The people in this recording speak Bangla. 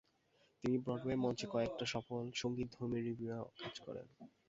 তিনি ব্রডওয়ে মঞ্চে কয়েকটি সফল সঙ্গীতধর্মী রিভিউয়ে কাজ করেন।